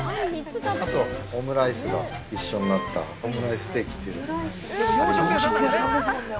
あとオムライスが一緒になったオムライステーキというのが。